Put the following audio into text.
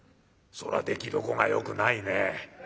「そらできどこがよくないねえ。